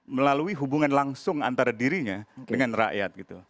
melalui hubungan langsung antara dirinya dengan rakyat gitu